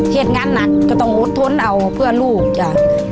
เหตุงานหนักก็ต้องอดทนเอาเพื่อลูกจ้ะ